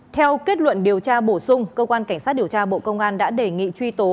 theo kết luận điều tra bổ sung cơ quan cảnh sát điều tra bộ công an đã đề nghị truy tố